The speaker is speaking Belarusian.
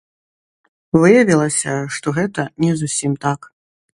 Выявілася, што гэта не зусім так.